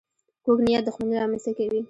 کوږ نیت دښمني رامنځته کوي